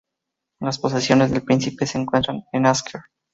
Las posesiones del príncipe se encuentran en Asker.